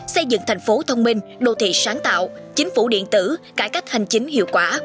xây dựng thành phố thông minh đô thị sáng tạo chính phủ điện tử cải cách hành chính hiệu quả